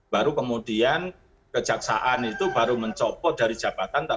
baru kemudian kejaksaan itu baru mencopot dari jabatan